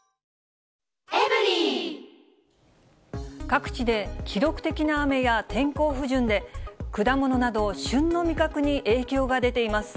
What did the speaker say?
各地で記録的な雨や天候不順で、果物など旬の味覚に影響が出ています。